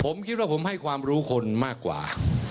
ผมคิดว่าผมให้ความรู้คนมากกว่า